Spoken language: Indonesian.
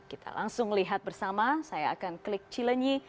kita langsung lihat bersama saya akan klik cilenyi